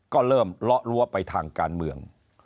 ก็เริ่มเลาะรั้วไปทางการเมือง